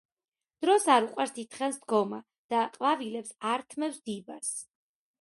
დროს არ უყვარს დიდხანს დგომა და ყვავილებს ართმევს დიბას